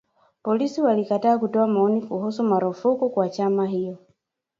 Polisi walikataa kutoa maoni kuhusu marufuku kwa chama hiyo